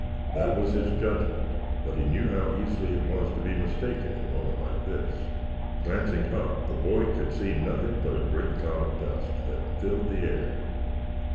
That was his judgment, but he knew how easily it was to be mistaken in a moment like this. Glancing up the boy could see nothing but a great cloud of dust that filled the air.